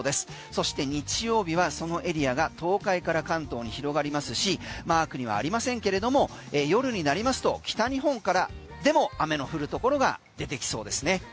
そして日曜日はそのエリアが東海から関東に広がりますしマークにはありませんけれども夜になりますと北日本からでも雨の降るところが出てきそうですね。